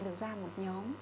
được ra một nhóm